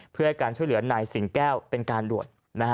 เพื่อให้การช่วยเหลือนายสิงแก้วเป็นการด่วน